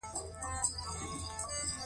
تا څه وویل ؟ لږ ږغ لوړ کړه !